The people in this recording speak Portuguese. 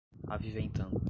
aviventando